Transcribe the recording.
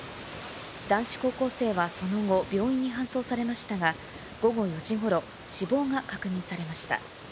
男子高校生はその後、病院に搬送されましたが、午後４時ごろ、死亡が確認されました。